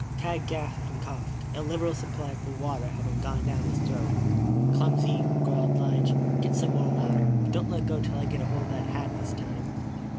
Tad gasped and coughed, a liberal supply of the water having gone down hist throat. "Clumsy!" growled Lige. "Get some more, but don't let go till I get hold of the hat this time."